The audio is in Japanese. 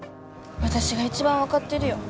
私が一番分かってるよ